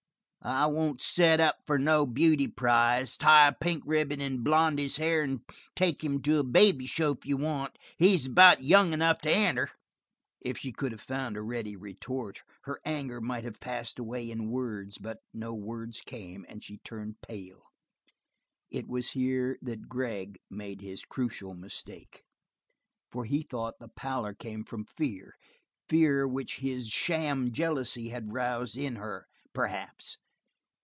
"I don't set up for no beauty prize. Tie a pink ribbon in Blondy's hair and take him to a baby show if you want. He's about young enough to enter." If she could have found a ready retort her anger might have passed away in words, but no words came, and she turned pale. It was here that Gregg made his crucial mistake, for he thought the pallor came from fear, fear which his sham jealousy had roused in her, perhaps.